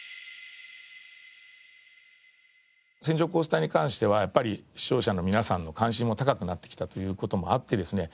線状降水帯に関してはやっぱり視聴者の皆さんの関心も高くなってきたという事もあってですね